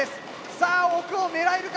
さあ奥を狙えるか。